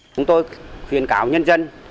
chúng tôi khuyên cáo nhân dân